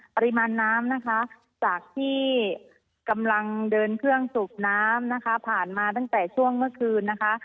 ปริมาณน้ำนะคะจากที่กำลังเดินเครื่องสูบน้ำนะคะผ่านมาตั้งแต่ช่วงเมื่อคืนนะคะ